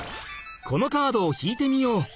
このカードを引いてみよう。